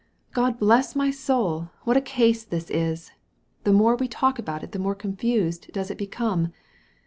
" God bless my soul, what a case this is I The more we talk about it the more confused does it become.